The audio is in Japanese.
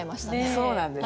そうなんです。